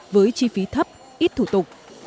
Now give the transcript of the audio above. với chi phí thấp ít thủ tục